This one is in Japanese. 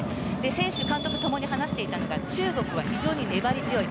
選手、監督共に話していたのが中国は非常に粘り強い。